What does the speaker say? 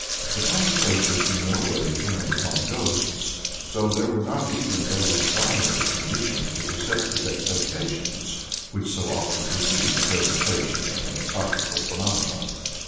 The conversation in no way turned upon ghosts, so there were not even those primary conditions of receptive expectations which so often precede the presentation of psychical phenomena.